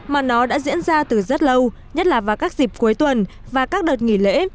mà nó đã diễn ra từ rất lâu nhất là vào các dịp cuối tuần và các đợt nghỉ lễ